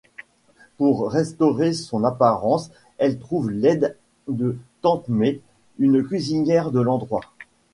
Pour restaurer son apparence, elle trouve l'aide de Tante Mei, une cuisinière de l'endroit.